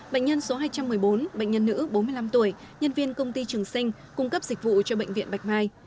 bệnh nhân số hai trăm một mươi bốn bệnh nhân nữ bốn mươi năm tuổi nhân viên công ty trường sinh cung cấp dịch vụ cho bệnh viện bạch mai